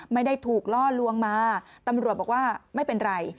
ไม่ได้ถูกล่อลวงมาตำรวจบอกว่าไม่เป็นไร